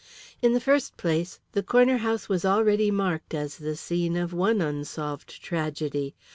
In the first place, the corner house was already marked as the scene of one unsolved tragedy.